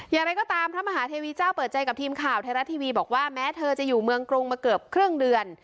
อย่างไรก็ตามพระมหาเทวีเจ้าเปิดใจกับทีมข่าวไทยรัฐทีวีบอกว่าแม้เธอจะอยู่เมืองกรุงมาเกือบครึ่งเดือน